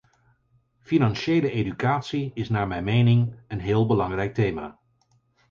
Financiële educatie is naar mijn mening een heel belangrijk thema.